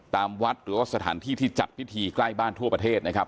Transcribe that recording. ตามวัดหรือว่าสถานที่ที่จัดพิธีใกล้บ้านทั่วประเทศนะครับ